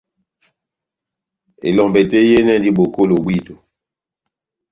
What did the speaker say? Elombɛ tɛ́h yehenɛ endi bokolo bwito.